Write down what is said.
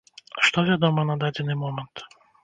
Што вядома на дадзены момант?